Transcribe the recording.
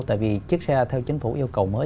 tại vì chiếc xe theo chính phủ yêu cầu mới